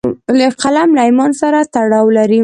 قلم له ایمان سره تړاو لري